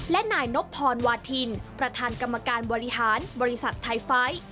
และนายนบพรวาทินประธานกรรมการบริหารบริษัทไทยไฟท์